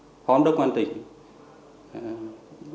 đồng chí thủ trưởng cơ quan cảnh sát điều tra